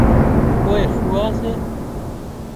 ڪوئي ڦوئا سي